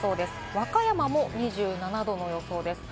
和歌山も２７度の予想です。